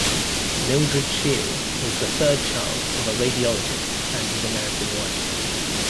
Mildred Scheel was the third child of a radiologist and his American wife.